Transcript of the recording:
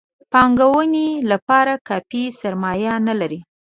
د پانګونې لپاره کافي سرمایه نه لري.